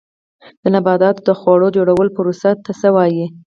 د نباتاتو د خواړو جوړولو پروسې ته څه وایي